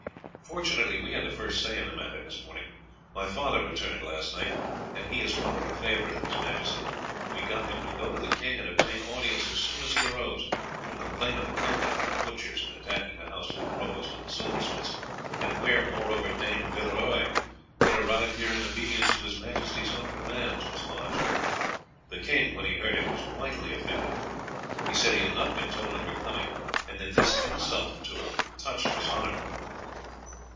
Fortunately we had the first say in the matter this morning. My father returned last night, and as he is rather a favourite of his majesty, we got him to go to the king and obtain audience as soon as he arose, to complain of the conduct of the butchers in attacking the house of the provost of the silversmiths, and where, moreover, Dame Villeroy, who had arrived here in obedience to his majesty's own commands, was lodged. The king when he heard it was mightily offended. He said he had not been told of her coming, and that this insult to her touched his honour.